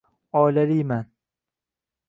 Oilaliman.